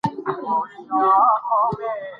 ګاونډیانو د آس په لیدلو سره حیرانتیا وښوده.